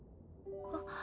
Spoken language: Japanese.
あっ。